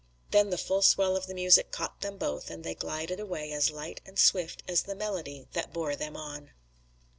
Then the full swell of the music caught them both, and they glided away, as light and swift as the melody that bore them on.